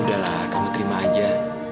udahlah kamu terima aja